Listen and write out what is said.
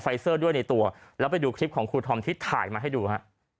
เซอร์ด้วยในตัวแล้วไปดูคลิปของครูธอมที่ถ่ายมาให้ดูฮะ